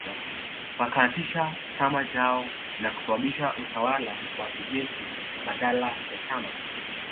Wakaanzisha chama chao na kusababisha utawala wa kijeshi badala ya chama